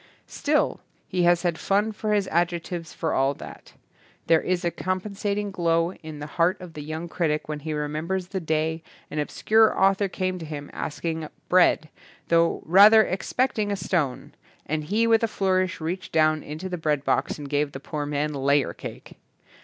Still he has had fun for his adjec tives for all that. There is a compen sating glow in the heart of the young critic when he remembers the day an obscure author came to him asking bread, though rather expecting a stone, and he with a flourish reached down into the breadbox and gave the poor man layer cake.